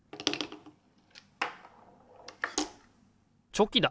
チョキだ！